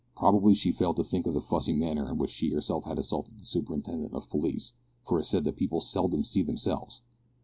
Probably she failed to think of the fussy manner in which she herself had assaulted the superintendent of police, for it is said that people seldom see themselves!